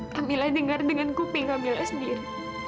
kamilah dengar dengan kuping kamil sendiri